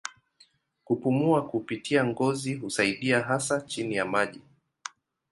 Kupumua kupitia ngozi husaidia hasa chini ya maji.